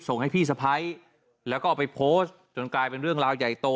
ส่งให้พี่สะพ้ายแล้วก็เอาไปโพสต์จนกลายเป็นเรื่องราวใหญ่โต